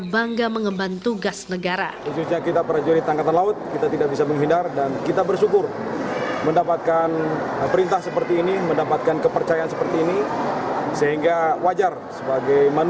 bangga mengemban tugas negara